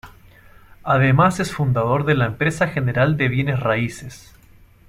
Además es fundador de la empresa General de Bienes Raíces.